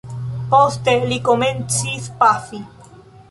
Poste li komencis pafi.